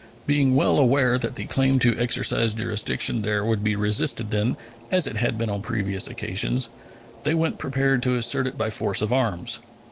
Being well aware that the claim to exercise jurisdiction there would be resisted then, as it had been on previous occasions, they went prepared to assert it by force of arms.